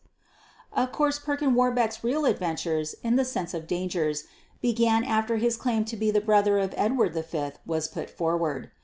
Of course Perkin Warbeck's real adventures, in the sense of dangers, began after his claim to be the brother of Edward V was put forward.